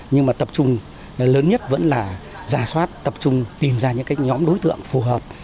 nhưng mà tập trung lớn nhất vẫn là giả soát tập trung tìm ra những cái nhóm đối tượng phù hợp